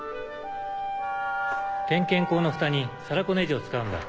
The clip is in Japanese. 点検孔のフタに皿小ネジを使うんだ。